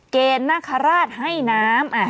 เกณฑ์นาคาราชให้น้ำ